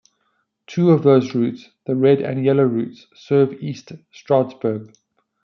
Two of those routes, the Red and Yellow routes, serve East Stroudsburg.